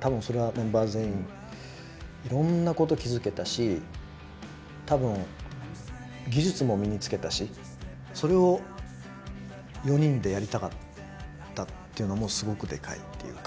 多分それはメンバー全員いろんなこと気付けたし多分技術も身につけたしそれを４人でやりたかったっていうのもすごくでかいっていうか。